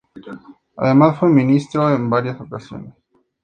Además fue ministro en varias ocasiones.